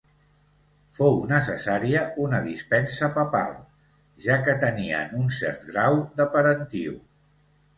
Fou necessària una dispensa papal, ja que tenien un cert grau de parentiu.